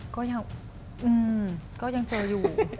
ก็ยังก็ยังเจออยู่